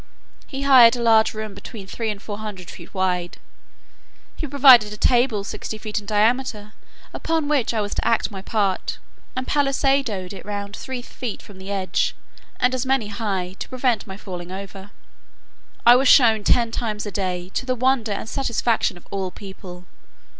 He hired a large room between three and four hundred feet wide. He provided a table sixty feet in diameter, upon which I was to act my part, and pallisadoed it round three feet from the edge, and as many high, to prevent my falling over. I was shown ten times a day, to the wonder and satisfaction of all people.